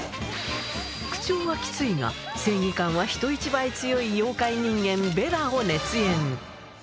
口調はきついが、正義感は人一倍強い妖怪人間、ベラを熱演。